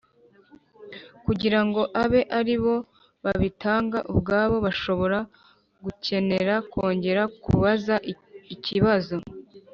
kugira ngo abe ari bo babitanga ubwabo Bashobora gukenera kongera kubaza ikibazo